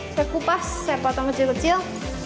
saya kupas saya potong kecil kecil